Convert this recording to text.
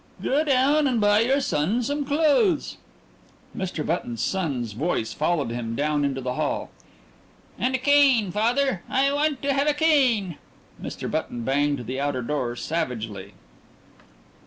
"Go down town and buy your son some clothes." Mr. Button's son's voice followed him down into the hall: "And a cane, father. I want to have a cane." Mr. Button banged the outer door savagely....